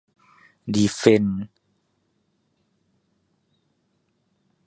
ดีเฟนส์